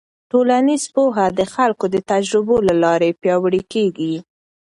ټولنیز پوهه د خلکو د تجربو له لارې پیاوړې کېږي.